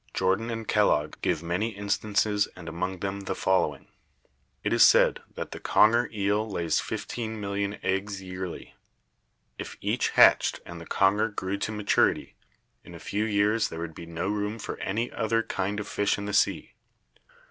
Jordan and Kellogg give many instances and among them the following: "It is said that the conger eel lays 15,000,000 eggs yearly. If each hatched and the conger grew to maturity, in a few years there would be no room for any other kind of fish in the sea.